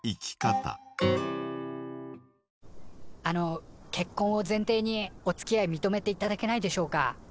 あの結婚を前提におつきあい認めていただけないでしょうか？